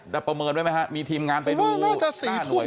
รับประเมินไว้ไหมฮะมีทีมงานไปที่ดู